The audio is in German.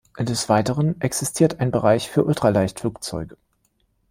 Des Weiteren existiert ein Bereich für Ultraleichtflugzeuge.